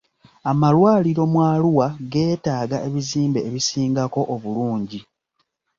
Amalwaliro mu Arua geetaaga ebizimbe ebisingako obulungi.